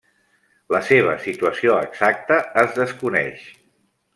La seva situació exacta es desconeix.